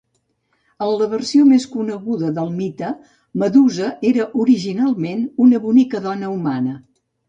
En la versió més coneguda del mite, Medusa era originalment una bonica dona humana.